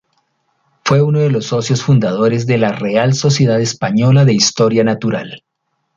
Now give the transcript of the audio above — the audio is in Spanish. Fue uno de los socios fundadores de la Real Sociedad Española de Historia Natural.